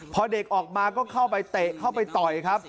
พอเด็กออกมาก็เข้าไปเตะเข้าไปต่อยครับ